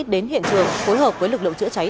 đến hiện trường phối hợp với lực lượng chữa cháy